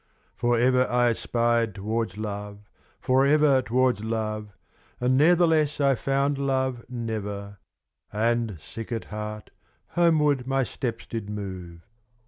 Forever I aspired towards Love, forever Towards Love, and ne'ertheless I found Love never, And sick at heart, homeward my steps did move.